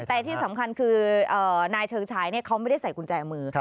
แต่ที่สำคัญคือนายเชิงชายเขาไม่ได้ใส่กุญแจมือ